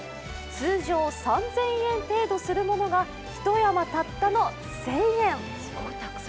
通常３０００円程度するものが一山たったの１０００円。